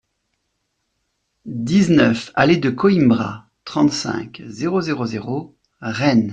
dix-neuf allée de Coïmbra, trente-cinq, zéro zéro zéro, Rennes